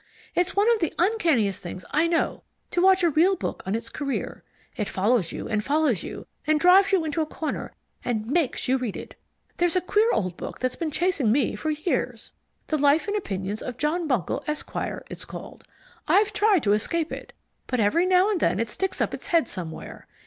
It's one of the uncanniest things I know to watch a real book on its career it follows you and follows you and drives you into a corner and MAKES you read it. There's a queer old book that's been chasing me for years: The Life and Opinions of John Buncle, Esq., it's called. I've tried to escape it, but every now and then it sticks up its head somewhere.